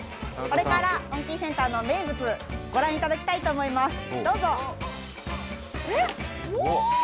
これからモンキーセンターの名物ご覧いただきたいと思いますどうぞ！